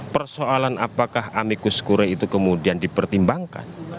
persoalan apakah amikus kure itu kemudian dipertimbangkan